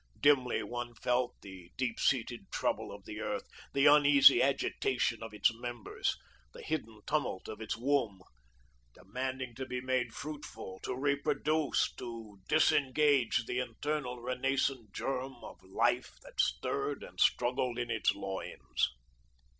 Dimly one felt the deep seated trouble of the earth, the uneasy agitation of its members, the hidden tumult of its womb, demanding to be made fruitful, to reproduce, to disengage the eternal renascent germ of Life that stirred and struggled in its loins.